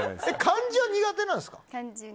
漢字は苦手なんですか？